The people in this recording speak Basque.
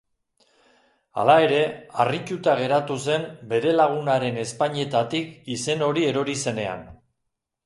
Hala ere, harrituta geratu zen bere lagunaren ezpainetatik izen hori erori zenean.